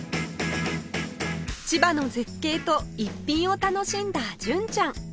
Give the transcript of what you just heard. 千葉の絶景と逸品を楽しんだ純ちゃん